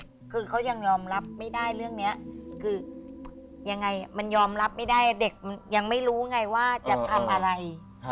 คือเขายังยอมรับไม่ได้ว่าจะทำอะไร